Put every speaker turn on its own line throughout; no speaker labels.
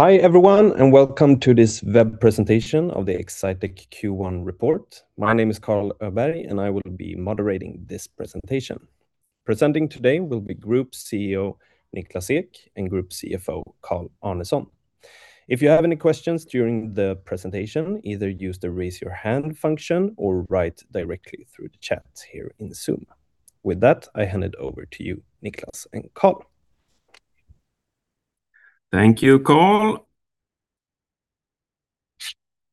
Hi, everyone, and welcome to this web presentation of the Exsitec Q1 report. My name is Carl Öberg, and I will be moderating this presentation. Presenting today will be Group CEO Niklas Ek, and Group CFO Carl Arnesson. If you have any questions during the presentation, either use the raise your hand function or write directly through the chat here in Zoom. With that, I hand it over to you, Niklas and Carl.
Thank you, Carl.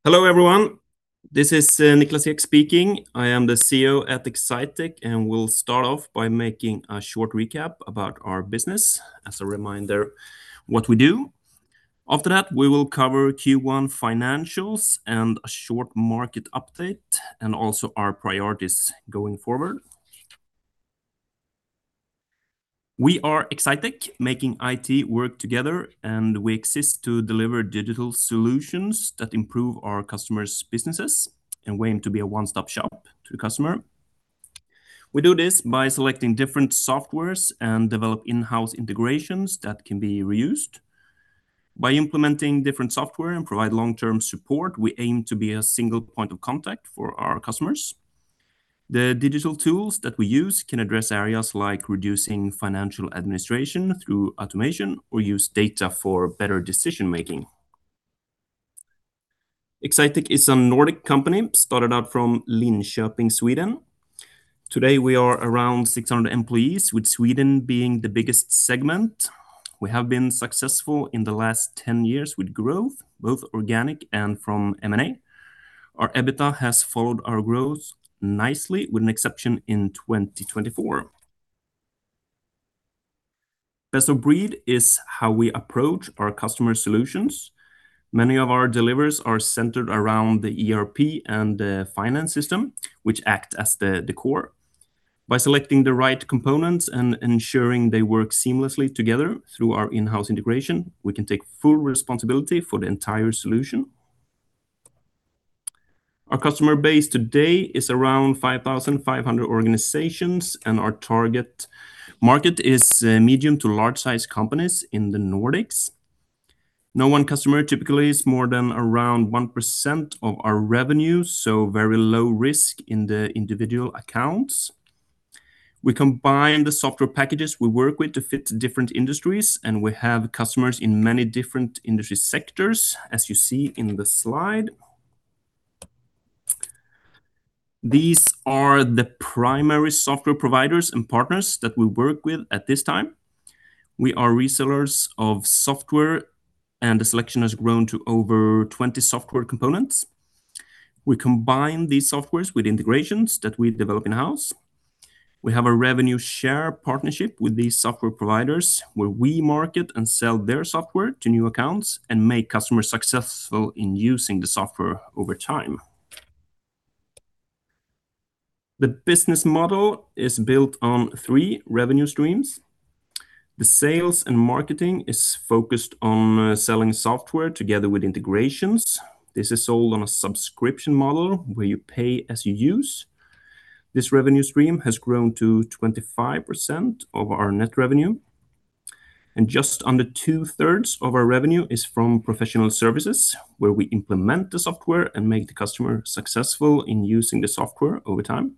Hello, everyone. This is Niklas Ek speaking. I am the CEO at Exsitec, and we'll start off by making a short recap about our business as a reminder what we do. After that, we will cover Q1 financials and a short market update, and also our priorities going forward. We are Exsitec, making IT work together, and we exist to deliver digital solutions that improve our customers' businesses, and we aim to be a one-stop shop to the customer. We do this by selecting different software and develop in-house integrations that can be reused. By implementing different software and provide long-term support, we aim to be a single point of contact for our customers. The digital tools that we use can address areas like reducing financial administration through automation or use data for better decision-making. Exsitec is a Nordic company, started out from Linköping, Sweden. Today, we are around 600 employees, with Sweden being the biggest segment. We have been successful in the last 10 years with growth, both organic and from M&A. Our EBITDA has followed our growth nicely, with an exception in 2024. Best of breed is how we approach our customer solutions. Many of our deliveries are centered around the ERP and the finance system, which act as the core. By selecting the right components and ensuring they work seamlessly together through our in-house integration, we can take full responsibility for the entire solution. Our customer base today is around 5,500 organizations, and our target market is medium to large-size companies in the Nordics. No one customer typically is more than around 1% of our revenue, so very low risk in the individual accounts. We combine the software packages we work with to fit different industries, and we have customers in many different industry sectors, as you see in the slide. These are the primary software providers and partners that we work with at this time. We are resellers of software, and the selection has grown to over 20 software components. We combine these software with integrations that we develop in-house. We have a revenue share partnership with these software providers where we market and sell their software to new accounts and make customers successful in using the software over time. The business model is built on three revenue streams. The sales and marketing is focused on selling software together with integrations. This is sold on a subscription model where you pay as you use. This revenue stream has grown to 25% of our net revenue. Just under 2/3 of our revenue is from professional services, where we implement the software and make the customer successful in using the software over time.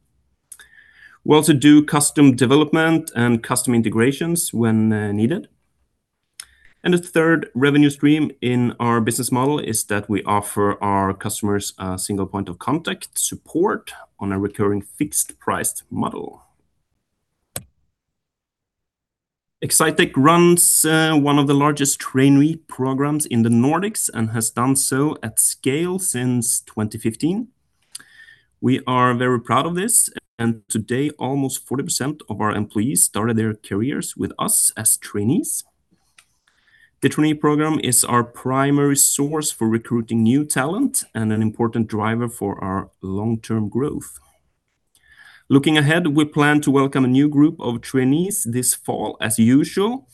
We also do custom development and custom integrations when needed. The third revenue stream in our business model is that we offer our customers a single point of contact support on a recurring fixed-priced model. Exsitec runs one of the largest trainee programs in the Nordics and has done so at scale since 2015. We are very proud of this, and today, almost 40% of our employees started their careers with us as trainees. The trainee program is our primary source for recruiting new talent and an important driver for our long-term growth. Looking ahead, we plan to welcome a new group of trainees this fall as usual,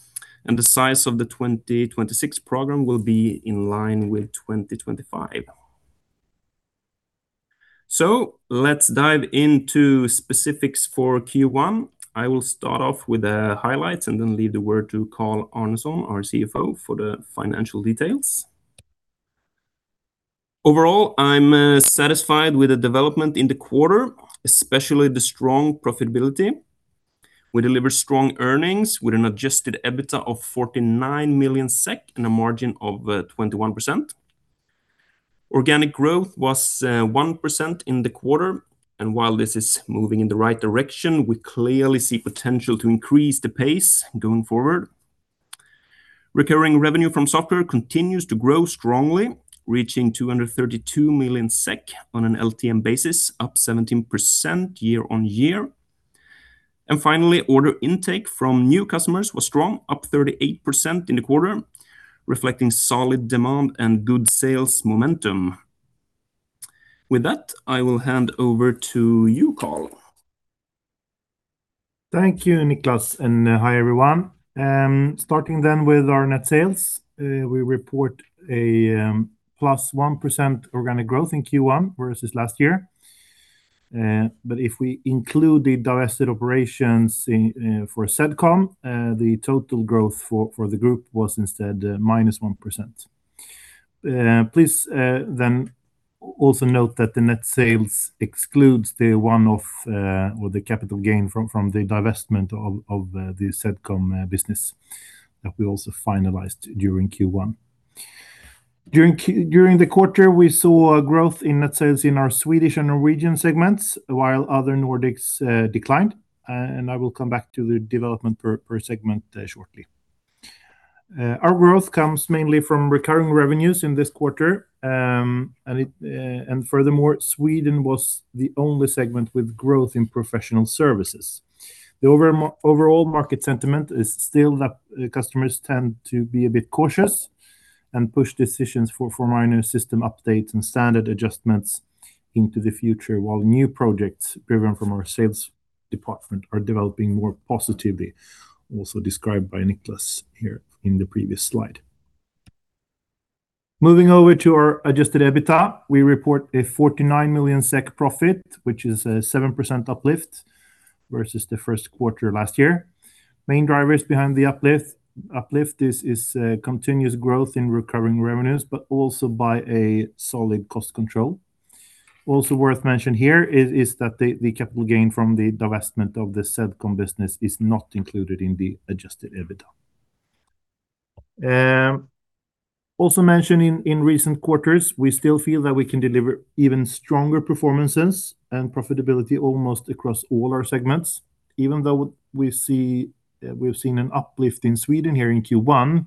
and the size of the 2026 program will be in line with 2025. Let's dive into specifics for Q1. I will start off with the highlights and then leave the word to Carl Arnesson, our CFO, for the financial details. Overall, I'm satisfied with the development in the quarter, especially the strong profitability. We delivered strong earnings with an adjusted EBITDA of 49 million SEK and a margin of 21%. Organic growth was 1% in the quarter. While this is moving in the right direction, we clearly see potential to increase the pace going forward. Recurring revenue from software continues to grow strongly, reaching 232 million SEK on an LTM basis, up 17% year on year. Finally, order intake from new customers was strong, up 38% in the quarter, reflecting solid demand and good sales momentum. With that, I will hand over to you, Carl.
Thank you, Niklas, and hi, everyone. Starting with our net sales. We report a +1% organic growth in Q1 versus last year. If we include the divested operations for ZedCom, the total growth for the group was instead -1%. Please then also note that the net sales excludes the one-off or the capital gain from the divestment of the ZedCom business that we also finalized during Q1. During the quarter, we saw a growth in net sales in our Swedish and Norwegian segments, while other Nordics declined. I will come back to the development per segment shortly. Our growth comes mainly from recurring revenues in this quarter. Furthermore, Sweden was the only segment with growth in professional services. The overall market sentiment is still that customers tend to be a bit cautious and push decisions for minor system updates and standard adjustments into the future, while new projects driven from our sales department are developing more positively. Also described by Niklas here in the previous slide. Moving over to our adjusted EBITDA, we report 49 million SEK profit, which is a 7% uplift versus the Q1 last year. Main drivers behind the uplift is continuous growth in recurring revenues, but also by a solid cost control. Also worth mentioning here is that the capital gain from the divestment of the ZedCom business is not included in the adjusted EBITDA. Also mentioned in recent quarters, we still feel that we can deliver even stronger performances and profitability almost across all our segments. Even though we've seen an uplift in Sweden here in Q1,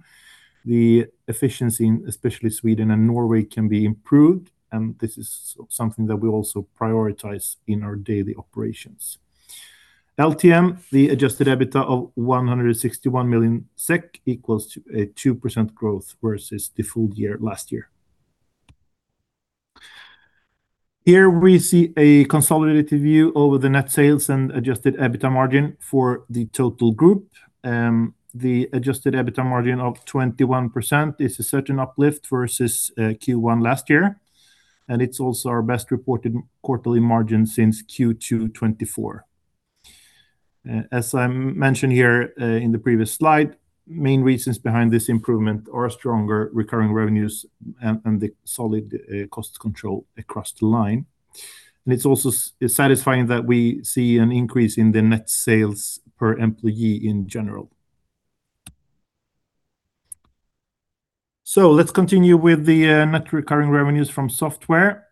the efficiency in especially Sweden and Norway can be improved, and this is something that we also prioritize in our daily operations. LTM, the adjusted EBITDA of 161 million SEK equals a 2% growth versus the full year last year. Here we see a consolidated view over the net sales and adjusted EBITDA margin for the total group. The adjusted EBITDA margin of 21% is a certain uplift versus Q1 last year, and it's also our best reported quarterly margin since Q2 2024. As I mentioned here in the previous slide, main reasons behind this improvement are stronger recurring revenues and the solid cost control across the line. It's also satisfying that we see an increase in the net sales per employee in general. Let's continue with the net recurring revenues from software.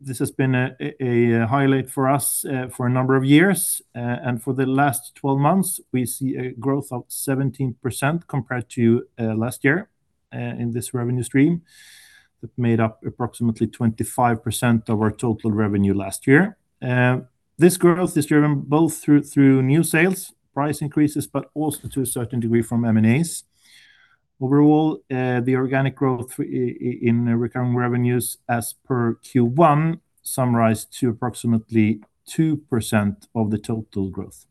This has been a highlight for us for a number of years. For the last 12 months, we see a growth of 17% compared to last year, in this revenue stream that made up approximately 25% of our total revenue last year. This growth is driven both through new sales price increases but also to a certain degree from M&As. Overall, the organic growth in recurring revenues as per Q1 summarized to approximately 2% of the total growth.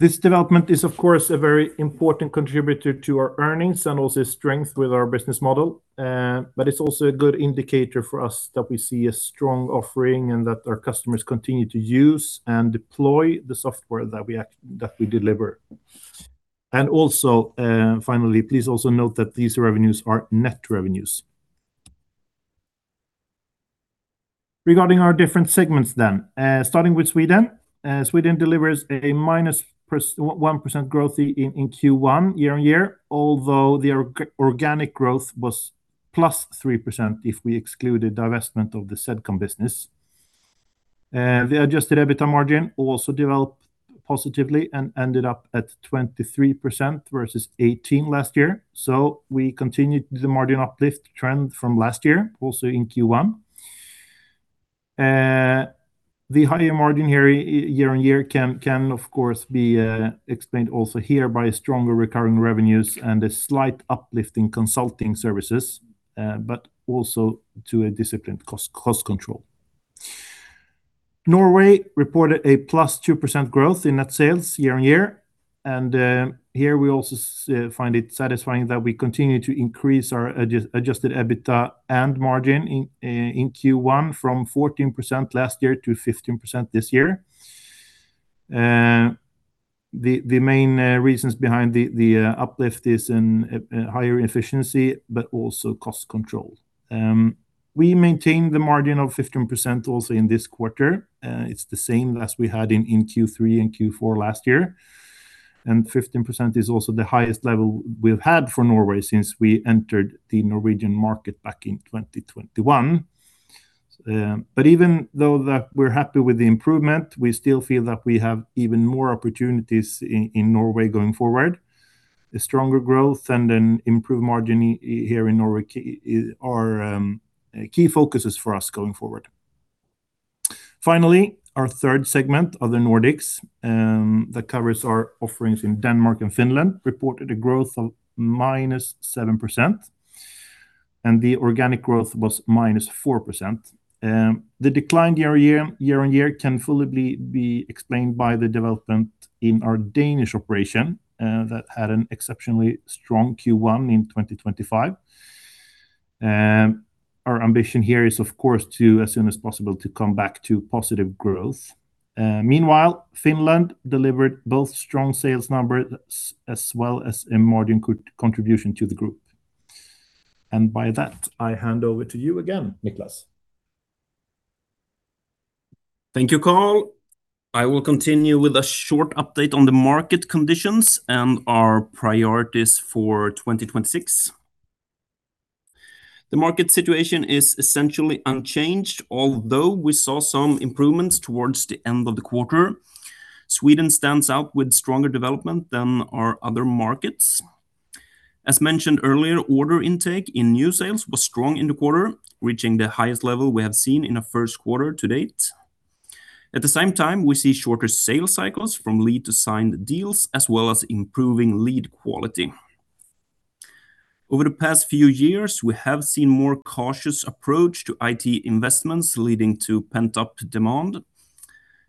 This development is, of course, a very important contributor to our earnings and also strengthens our business model. It's also a good indicator for us that we see a strong offering and that our customers continue to use and deploy the software that we deliver. Finally, please also note that these revenues are net revenues. Regarding our different segments then, starting with Sweden. Sweden delivers a -1% growth in Q1 year-over-year, although the organic growth was +3% if we exclude the divestment of the ZedCom business. The adjusted EBITDA margin also developed positively and ended up at 23% versus 18% last year. We continued the margin uplift trend from last year also in Q1. The higher margin here year-on-year can, of course, be explained also here by stronger recurring revenues and a slight uplift in consulting services, but also to a disciplined cost control. Norway reported a +2% growth in net sales year-on-year. Here we also find it satisfying that we continue to increase our adjusted EBITDA and margin in Q1 from 14% last year to 15% this year. The main reasons behind the uplift is in higher efficiency but also cost control. We maintained the margin of 15% also in this quarter. It's the same as we had in Q3 and Q4 last year. 15% is also the highest level we've had for Norway since we entered the Norwegian market back in 2021. Even though that we're happy with the improvement, we still feel that we have even more opportunities in Norway going forward. A stronger growth and an improved margin here in Norway are key focuses for us going forward. Finally, our third segment, Other Nordics, that covers our offerings in Denmark and Finland, reported a growth of minus 7%, and the organic growth was minus 4%. The decline year on year can fully be explained by the development in our Danish operation, that had an exceptionally strong Q1 in 2025. Our ambition here is, of course, as soon as possible, to come back to positive growth. Meanwhile, Finland delivered both strong sales numbers as well as a margin contribution to the group. By that, I hand over to you again, Niklas.
Thank you, Carl. I will continue with a short update on the market conditions and our priorities for 2026. The market situation is essentially unchanged, although we saw some improvements towards the end of the quarter. Sweden stands out with stronger development than our other markets. As mentioned earlier, order intake in new sales was strong in the quarter, reaching the highest level we have seen in a Q1 to date. At the same time, we see shorter sales cycles from lead to signed deals, as well as improving lead quality. Over the past few years, we have seen a more cautious approach to IT investments, leading to pent-up demand.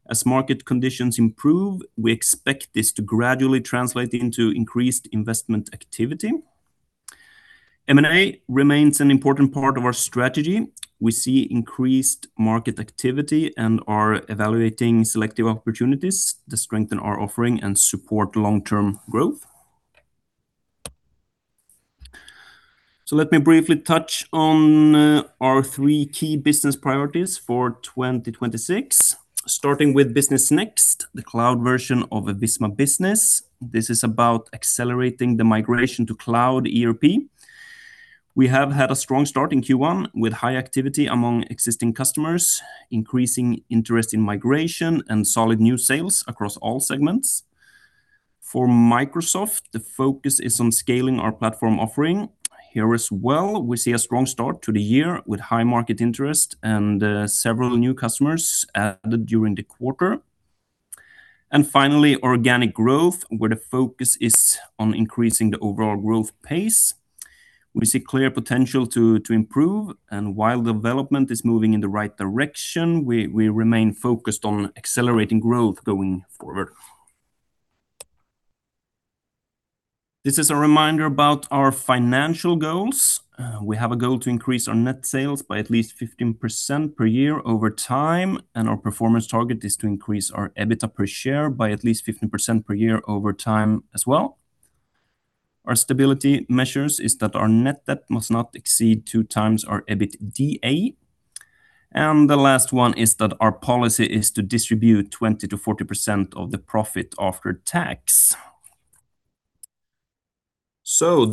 As market conditions improve, we expect this to gradually translate into increased investment activity. M&A remains an important part of our strategy. We see increased market activity and are evaluating selective opportunities to strengthen our offering and support long-term growth. Let me briefly touch on our three key business priorities for 2026. Starting with Business NXT, the cloud version of Visma Business. This is about accelerating the migration to cloud ERP. We have had a strong start in Q1 with high activity among existing customers, increasing interest in migration, and solid new sales across all segments. For Microsoft, the focus is on scaling our platform offering. Here as well, we see a strong start to the year with high market interest and several new customers added during the quarter. Finally, organic growth, where the focus is on increasing the overall growth pace. We see clear potential to improve. While development is moving in the right direction, we remain focused on accelerating growth going forward. This is a reminder about our financial goals. We have a goal to increase our net sales by at least 15% per year over time, and our performance target is to increase our EBITDA per share by at least 15% per year over time as well. Our stability measures is that our net debt must not exceed 2x our EBITDA. The last one is that our policy is to distribute 20%-40% of the profit after tax.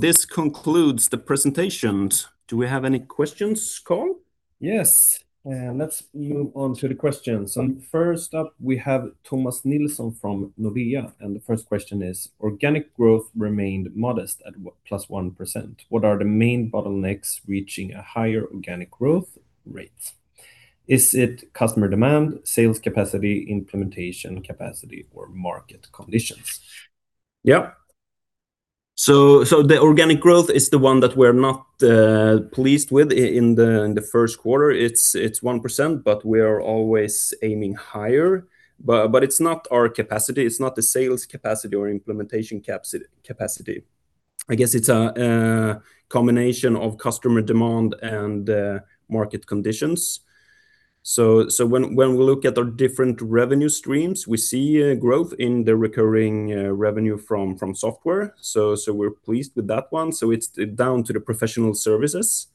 This concludes the presentation. Do we have any questions, Carl?
Yes. Let's move on to the questions. First up, we have Thomas Nilsson from Nordea, and the first question is: Organic growth remained modest at +1%. What are the main bottlenecks reaching a higher organic growth rate? Is it customer demand, sales capacity, implementation capacity, or market conditions?
Yeah. The organic growth is the one that we're not pleased with in the Q1. It's 1%, we are always aiming higher. It's not our capacity, it's not the sales capacity or implementation capacity. I guess it's a combination of customer demand and market conditions. When we look at our different revenue streams, we see growth in the recurring revenue from software. We're pleased with that one. It's down to the professional services.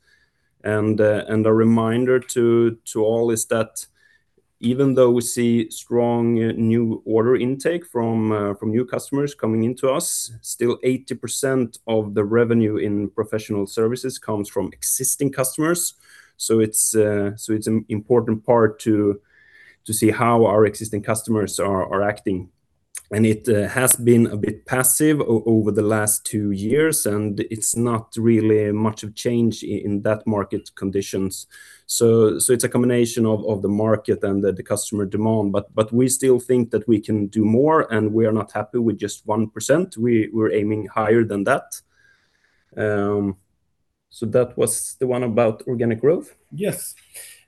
A reminder to all is that even though we see strong new order intake from new customers coming into us, still 80% of the revenue in professional services comes from existing customers. It's an important part to see how our existing customers are acting. It has been a bit passive over the last two years, and it's not really much of change in that market conditions. It's a combination of the market and the customer demand. We still think that we can do more, and we are not happy with just 1%. We're aiming higher than that. That was the one about organic growth.
Yes.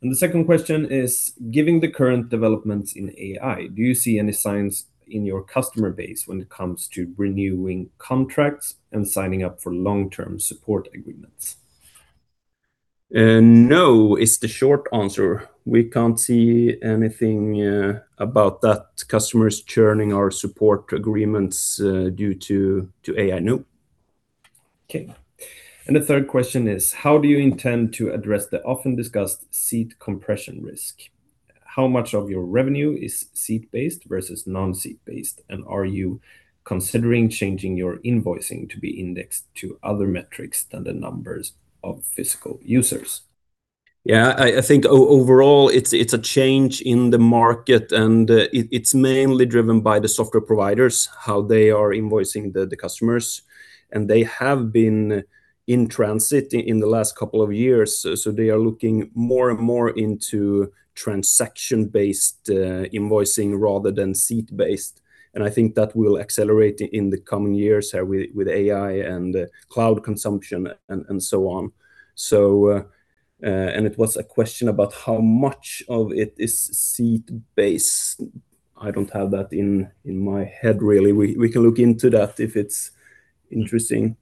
The second question is: Given the current developments in AI, do you see any signs in your customer base when it comes to renewing contracts and signing up for long-term support agreements?
No is the short answer. We can't see anything about that. Customers churning our support agreements due to AI, no.
Okay. The third question is: How do you intend to address the often discussed seat compression risk? How much of your revenue is seat based versus non-seat based? And are you considering changing your invoicing to be indexed to other metrics than the numbers of physical users?
Yeah. I think overall, it's a change in the market, and it's mainly driven by the software providers, how they are invoicing the customers. They have been in transition in the last couple of years. They are looking more and more into transaction-based invoicing rather than seat-based. I think that will accelerate in the coming years with AI and cloud consumption and so on. It was a question about how much of it is seat-based. I don't have that in my head, really. We can look into that if it's interesting.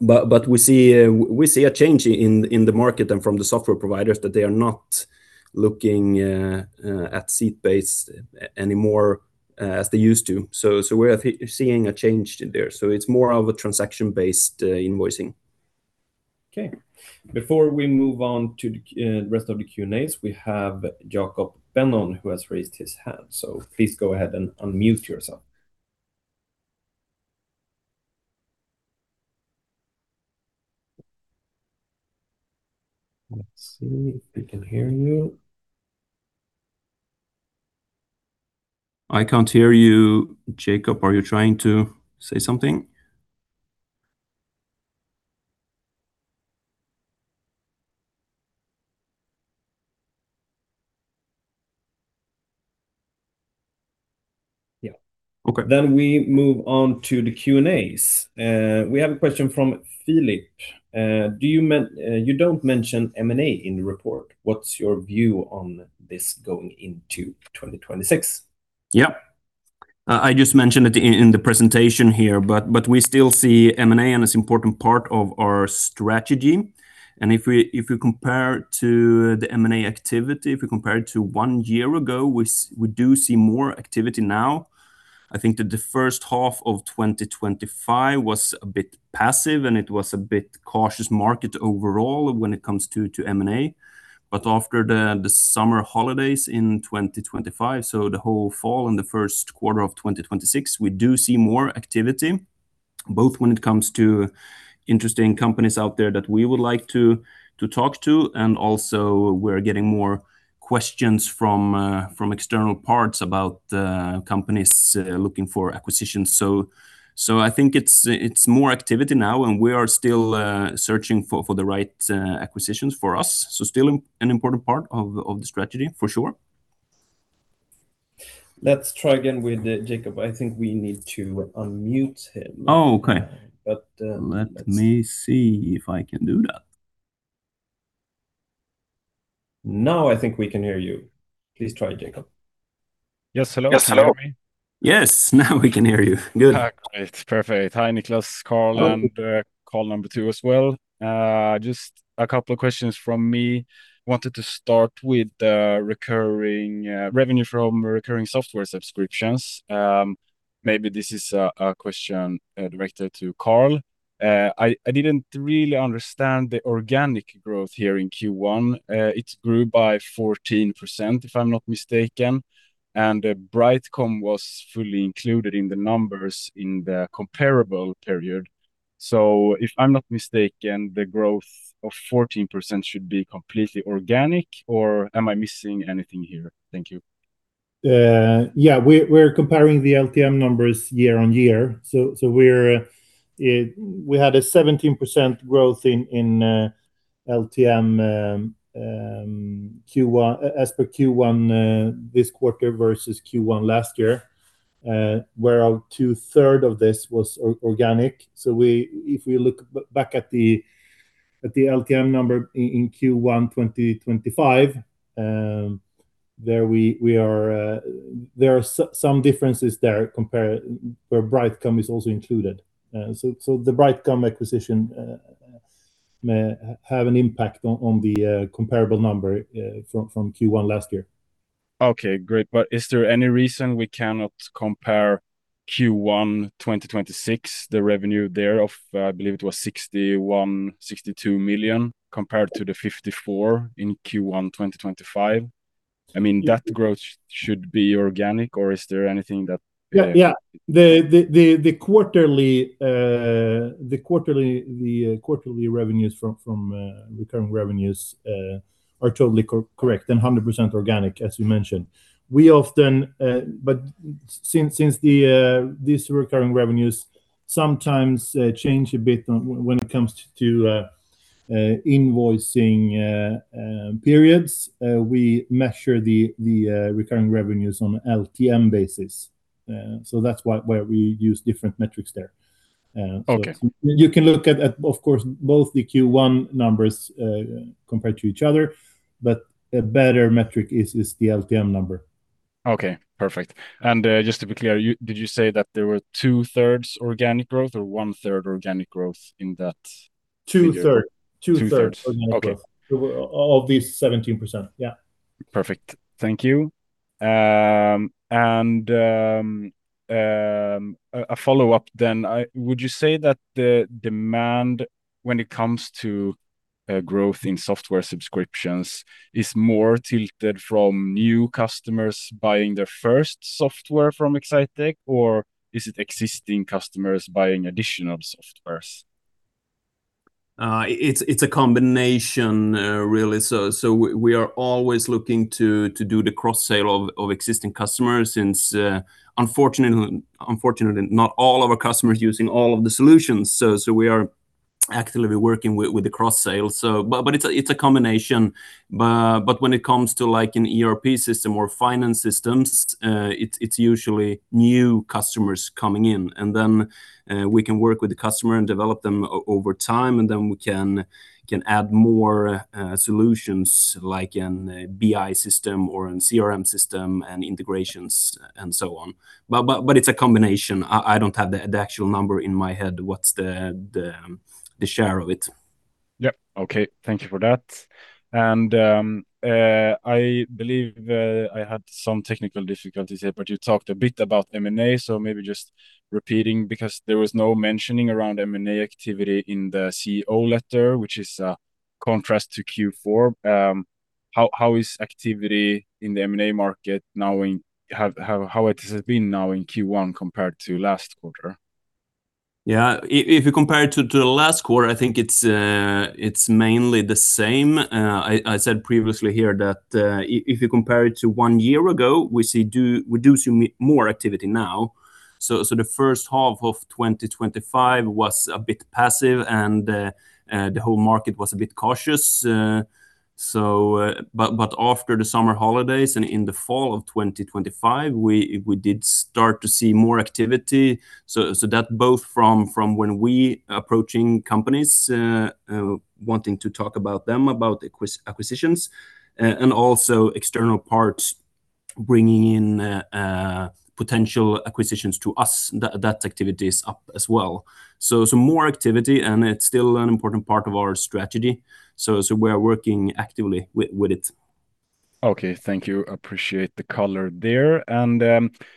We see a change in the market and from the software providers that they are not looking at seat-based anymore as they used to. We're seeing a change there. It's more of a transaction-based invoicing.
Okay. Before we move on to the rest of the Q&As, we have Jacob Benon who has raised his hand. Please go ahead and unmute yourself. Let's see if we can hear you.
I can't hear you, Jacob. Are you trying to say something?
Yeah.
Okay.
We move on to the Q&As. We have a question from Philip. "You don't mention M&A in the report. What's your view on this going into 2026?
Yeah. I just mentioned it in the presentation here, but we still see M&A, and it's important part of our strategy. If you compare to the M&A activity, if you compare it to one year ago, we do see more activity now. I think that the first half of 2025 was a bit passive, and it was a bit cautious market overall when it comes to M&A. After the summer holidays in 2025, so the whole fall and the Q1 of 2026, we do see more activity, both when it comes to interesting companies out there that we would like to talk to, and also we're getting more questions from external parties about companies looking for acquisitions. I think it's more activity now, and we are still searching for the right acquisitions for us. Still an important part of the strategy, for sure.
Let's try again with Jacob. I think we need to unmute him.
Oh, okay.
But-
Let me see if I can do that.
Now I think we can hear you. Please try, Jacob.
Yes, hello. Can you hear me?
Yes, now we can hear you. Good.
All right. Perfect. Hi, Niklas, Carl, and Carl number two as well. Just a couple of questions from me. Wanted to start with revenue from recurring software subscriptions. Maybe this is a question directed to Carl. I didn't really understand the organic growth here in Q1. It grew by 14%, if I'm not mistaken, and BrightCom was fully included in the numbers in the comparable period. If I'm not mistaken, the growth of 14% should be completely organic, or am I missing anything here? Thank you.
Yeah. We're comparing the LTM numbers year-on-year. We had a 17% growth in LTM as per Q1 this quarter versus Q1 last year, where 2/3 of this was organic. If we look back at the LTM number in Q1 2025, there are some differences there where BrightCom is also included. The BrightCom acquisition have an impact on the comparable number from Q1 last year.
Okay, great. Is there any reason we cannot compare Q1 2026, the revenue thereof, I believe it was 61-62 million, compared to the 54 million in Q1 2025? That growth should be organic, or is there anything that-
Yeah. The quarterly revenues from recurring revenues are totally correct and 100% organic, as you mentioned. Since these recurring revenues sometimes change a bit when it comes to invoicing periods, we measure the recurring revenues on LTM basis. That's why we use different metrics there.
Okay.
You can look at, of course, both the Q1 numbers compared to each other, but a better metric is the LTM number.
Okay, perfect. Just to be clear, did you say that there were 2/3 organic growth or 1/3 organic growth in that figure?
2/3.
2/3. Okay.
Of these 17%. Yeah.
Perfect. Thank you. A follow-up then. Would you say that the demand when it comes to growth in software subscriptions is more tilted from new customers buying their first software from Exsitec? Or is it existing customers buying additional software?
It's a combination, really. We are always looking to do the cross-sale of existing customers since unfortunately, not all of our customers are using all of the solutions. We are actively working with the cross-sales. It's a combination. When it comes to an ERP system or finance systems, it's usually new customers coming in, and then we can work with the customer and develop them over time. Then we can add more solutions, like a BI system or a CRM system and integrations and so on. It's a combination. I don't have the actual number in my head what's the share of it.
Yeah. Okay. Thank you for that. I believe I had some technical difficulties here, but you talked a bit about M&A, so maybe just repeating, because there was no mentioning around M&A activity in the CEO letter, which is a contrast to Q4. How is activity in the M&A market, how it has been now in Q1 compared to last quarter?
Yeah. If you compare it to the last quarter, I think it's mainly the same. I said previously here that if you compare it to one year ago, we do see more activity now. The first half of 2025 was a bit passive and the whole market was a bit cautious. After the summer holidays and in the fall of 2025, we did start to see more activity. That both from when we approaching companies, wanting to talk about them, about acquisitions and also external parties bringing in potential acquisitions to us, that activity is up as well. Some more activity and it's still an important part of our strategy. We are working actively with it.
Okay. Thank you. Appreciate the color there.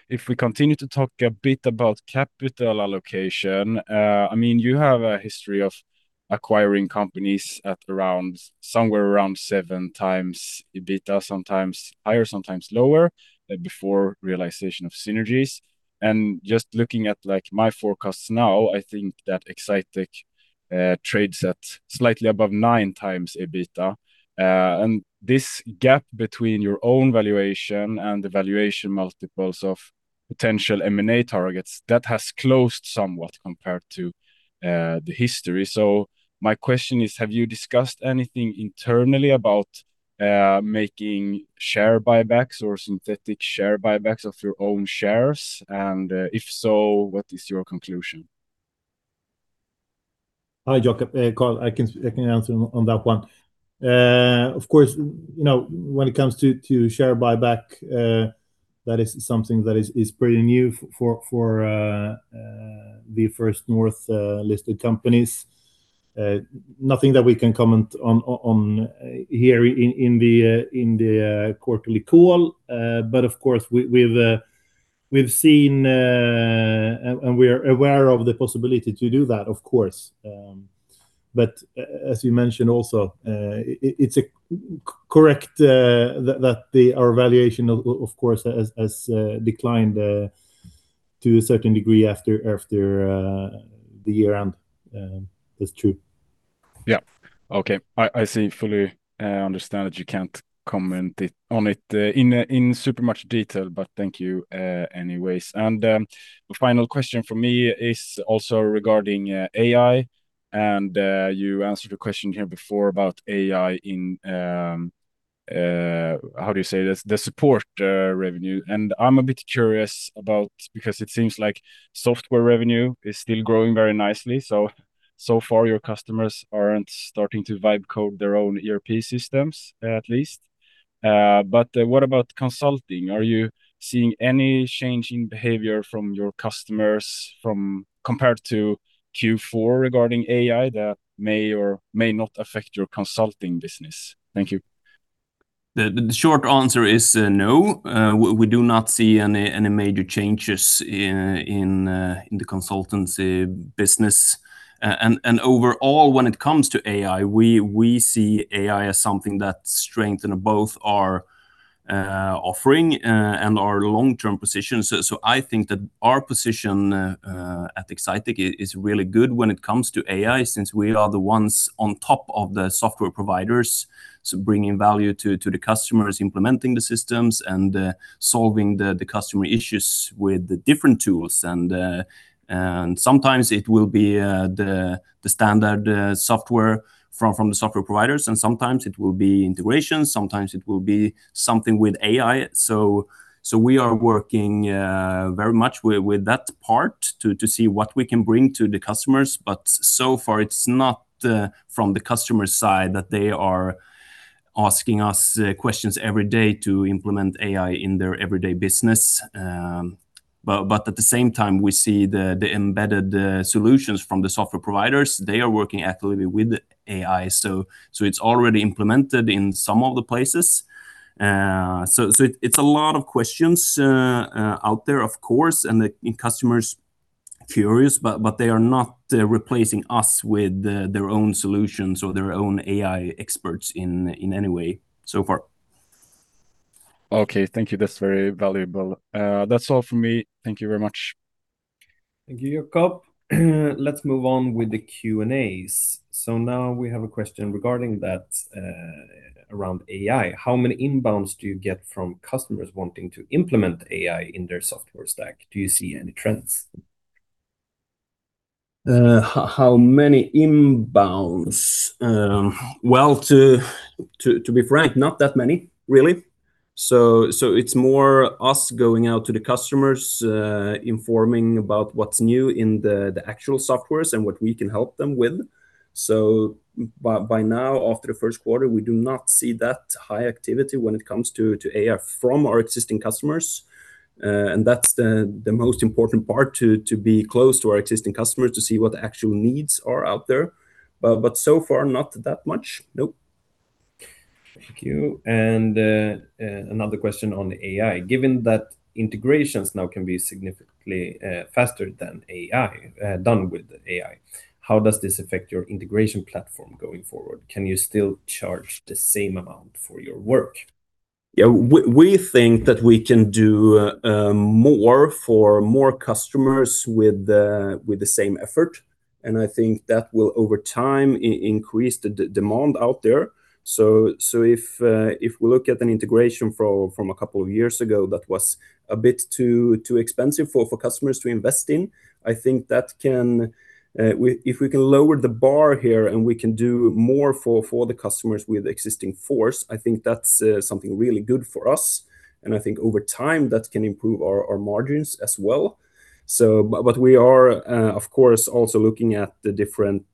If we continue to talk a bit about capital allocation, you have a history of acquiring companies at somewhere around 7x EBITDA, sometimes higher, sometimes lower, before realization of synergies. Just looking at my forecasts now, I think that Exsitec trades at slightly above 9x EBITDA. This gap between your own valuation and the valuation multiples of potential M&A targets has closed somewhat compared to the history. My question is: have you discussed anything internally about making share buybacks or synthetic share buybacks of your own shares? If so, what is your conclusion?
Hi, Jacob. Carl, I can answer on that one. Of course, when it comes to share buyback, that is something that is pretty new for the First North listed companies. Nothing that we can comment on here in the quarterly call. Of course, we've seen and we're aware of the possibility to do that, of course. As you mentioned also, it's correct that our valuation, of course, has declined to a certain degree after the year end. That's true.
Yeah. Okay. I see. I fully understand that you can't comment on it in super much detail, but thank you anyways. The final question from me is also regarding AI, and you answered a question here before about AI in, how do you say this, the support revenue. I'm a bit curious about, because it seems like software revenue is still growing very nicely. So far your customers aren't starting to write code their own ERP systems, at least. What about consulting? Are you seeing any change in behavior from your customers compared to Q4 regarding AI that may or may not affect your consulting business? Thank you.
The short answer is no. We do not see any major changes in the consultancy business. Overall, when it comes to AI, we see AI as something that strengthen both our offering and our long-term position. I think that our position at Exsitec is really good when it comes to AI, since we are the ones on top of the software providers, bringing value to the customers, implementing the systems, and solving the customer issues with the different tools. Sometimes it will be the standard software from the software providers, and sometimes it will be integration, sometimes it will be something with AI. We are working very much with that part to see what we can bring to the customers. So far, it's not from the customer side that they are asking us questions every day to implement AI in their everyday business. At the same time, we see the embedded solutions from the software providers. They are working actively with AI. It's already implemented in some of the places. It's a lot of questions out there, of course, and the customers are curious, but they are not replacing us with their own solutions or their own AI experts in any way so far.
Okay. Thank you. That's very valuable. That's all from me. Thank you very much.
Thank you, Jacob. Let's move on with the Q&As. Now we have a question regarding that around AI. How many inbounds do you get from customers wanting to implement AI in their software stack? Do you see any trends?
How many inbounds? Well, to be frank, not that many really. It's more us going out to the customers, informing about what's new in the actual software and what we can help them with. By now, after the Q1, we do not see that high activity when it comes to AI from our existing customers. That's the most important part, to be close to our existing customers to see what the actual needs are out there. So far, not that much. Nope.
Thank you. Another question on AI. Given that integrations now can be significantly faster with AI, done with AI, how does this affect your integration platform going forward? Can you still charge the same amount for your work?
Yeah. We think that we can do more for more customers with the same effort, and I think that will, over time, increase the demand out there. If we look at an integration from a couple of years ago that was a bit too expensive for customers to invest in, I think if we can lower the bar here, and we can do more for the customers with existing force, I think that's something really good for us. I think over time, that can improve our margins as well. We are, of course, also looking at the different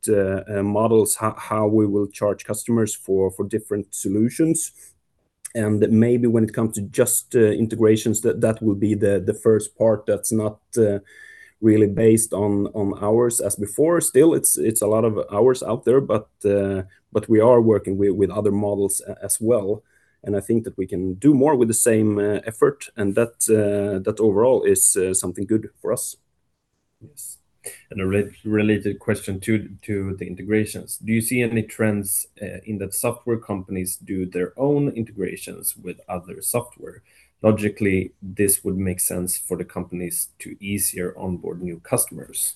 models, how we will charge customers for different solutions. Maybe when it comes to just integrations, that will be the first part that's not really based on hours as before. Still it's a lot of hours out there, but we are working with other models as well, and I think that we can do more with the same effort and that overall is something good for us.
Yes. A related question to the integrations. Do you see any trends in that software companies do their own integrations with other software? Logically, this would make sense for the companies to more easily onboard new customers.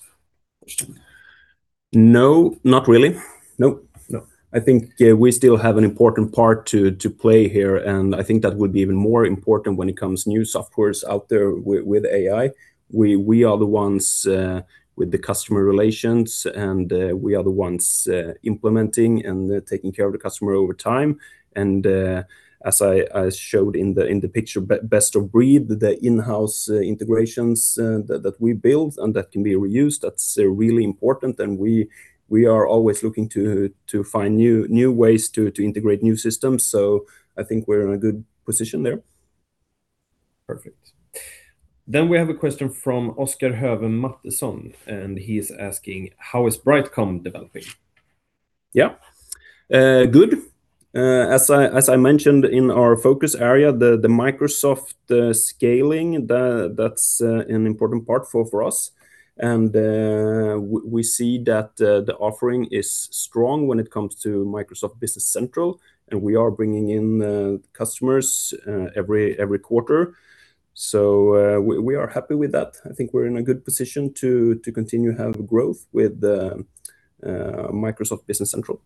No, not really. Nope. No. I think we still have an important part to play here, and I think that would be even more important when it comes to new software out there with AI. We are the ones with the customer relations, and we are the ones implementing and taking care of the customer over time. As I showed in the picture, best of breed, the in-house integrations that we build and that can be reused, that's really important. We are always looking to find new ways to integrate new systems. I think we're in a good position there.
Perfect. We have a question from Oscar Hellström, and he's asking, how is BrightCom developing?
Yeah. Good. As I mentioned in our focus area, the Microsoft scaling, that's an important part for us. We see that the offering is strong when it comes to Microsoft Business Central, and we are bringing in customers every quarter. We are happy with that. I think we're in a good position to continue have growth with Microsoft Business Central.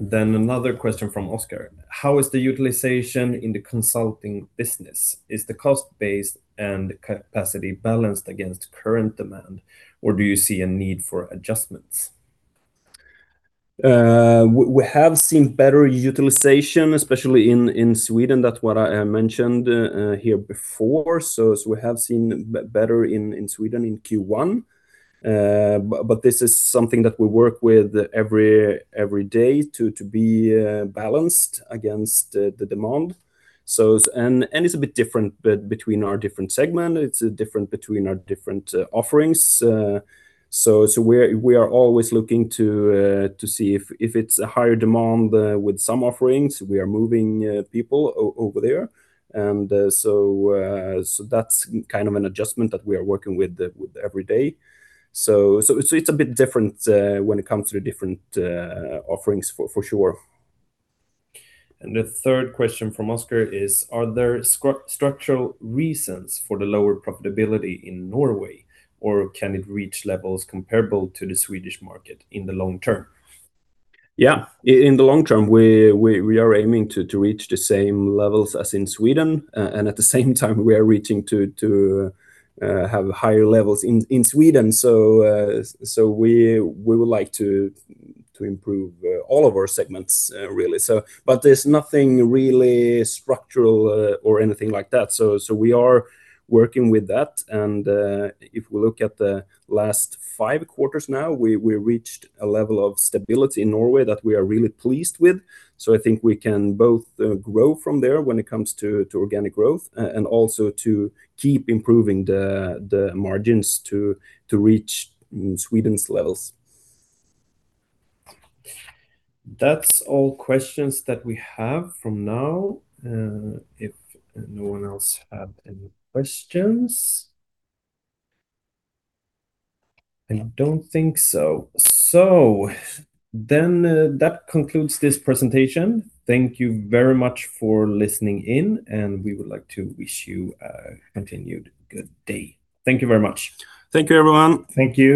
Another question from Oscar. How is the utilization in the consulting business? Is the cost-based and capacity balanced against current demand, or do you see a need for adjustments?
We have seen better utilization, especially in Sweden. That's what I mentioned here before. As we have seen better in Sweden in Q1. This is something that we work with every day to be balanced against the demand. It's a bit different between our different segment. It's different between our different offerings. We are always looking to see if it's a higher demand with some offerings, we are moving people over there. That's an adjustment that we are working with every day. It's a bit different when it comes to the different offerings for sure.
The third question from Oscar is, are there structural reasons for the lower profitability in Norway, or can it reach levels comparable to the Swedish market in the long term?
Yeah. In the long term, we are aiming to reach the same levels as in Sweden. At the same time, we are reaching to have higher levels in Sweden. We would like to improve all of our segments, really. There's nothing really structural or anything like that. We are working with that, and if we look at the last five quarters now, we reached a level of stability in Norway that we are really pleased with. I think we can both grow from there when it comes to organic growth and also to keep improving the margins to reach Sweden's levels.
That's all questions that we have for now. If no one else had any questions, I don't think so. That concludes this presentation. Thank you very much for listening in, and we would like to wish you a continued good day. Thank you very much.
Thank you, everyone.
Thank you.